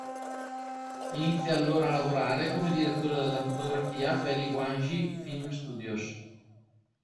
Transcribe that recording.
Inizia allora a lavorare come direttore della fotografia per i "Guangxi Film Studios".